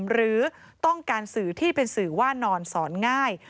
หรือต้องการสื่อที่เป็นสื่อว่านอนสอนง่าย